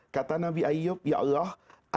kata nabi ayub ya allah